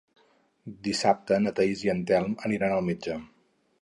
Dissabte na Thaís i en Telm aniran al metge.